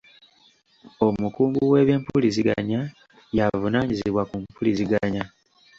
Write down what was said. Omukungu w'eby'empuliziganya y'avunaanyizibwa ku mpuliziganya.